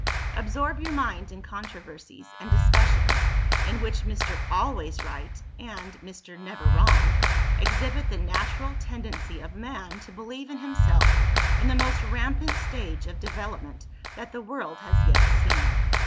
Absorb your mind in controversies and discussions, in which Mr. Always Right and Mr. Never Wrong exhibit the natural tendency of man to believe in himself, in the most rampant stage of development that the world has yet seen.